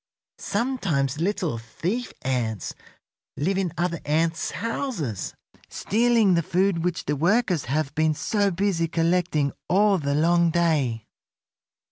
Sometimes little thief ants live in other ants' houses, stealing the food which the workers have been so busy collecting all the long day."